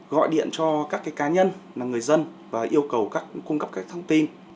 gọi điện cho các cá nhân người dân và yêu cầu cung cấp các thông tin